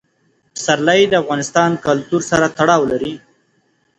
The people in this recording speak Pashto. پسرلی د افغان کلتور سره تړاو لري.